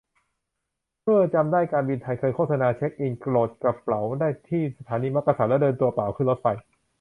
เอ้อจำได้ การบินไทยเคยโฆษณา เช็กอิน โหลดกระเป๋าได้ที่สถานีมักกะสัน แล้วเดินตัวเปล่าขึ้นรถไฟ